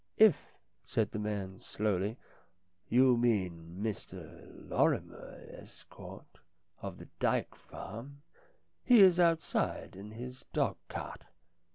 "If," said the man slowly, "you mean Mr Lorrimer Estcourt, of the Dyke Farm, he is outside in his dog cart."